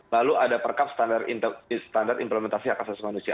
lalu ada perkap standar implementasi hak asasi manusia